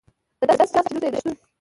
له داسې چا سره وه، چې دلته یې د شتون.